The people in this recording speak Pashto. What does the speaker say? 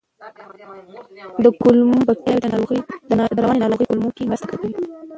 د کولمو بکتریاوې د رواني ناروغیو کمولو کې مرسته کوي.